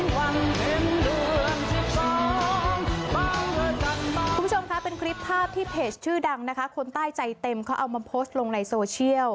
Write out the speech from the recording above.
คุณผู้ชมคะเป็นคลิปภาพที่เพจชื่อดังนะคะคนใต้ใจเต็มเขาเอามาโพสต์ลงในโซเชียล